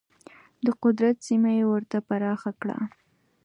د قدرت سیمه یې ورته پراخه کړه.